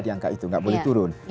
di angka itu nggak boleh turun